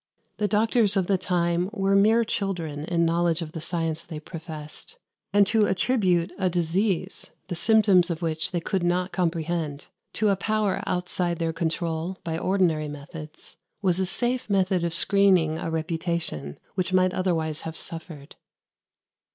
The doctors of the time were mere children in knowledge of the science they professed; and to attribute a disease, the symptoms of which they could not comprehend, to a power outside their control by ordinary methods, was a safe method of screening a reputation which might otherwise have suffered.